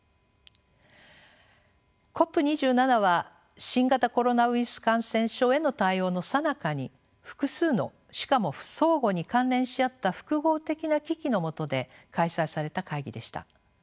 ＣＯＰ２７は新型コロナウイルス感染症への対応のさなかに複数のしかも相互に関連し合った複合的な危機のもとで開催された会議でした。